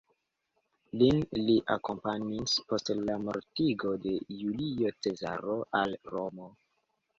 Lin li akompanis, post la mortigo de Julio Cezaro, al Romo.